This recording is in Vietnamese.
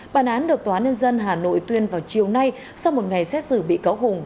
bản án được tnnd hà nội tuyên vào chiều nay sau một ngày xét xử bị cáo hùng